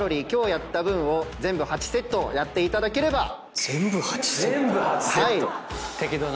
今日やった分を全部８セットやっていただければ。